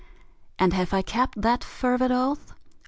And have I kept that fervid oath?